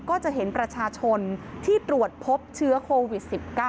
ก็จะเห็นประชาชนที่ตรวจพบเชื้อโควิด๑๙